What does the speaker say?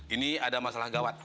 ini ada masalah gawat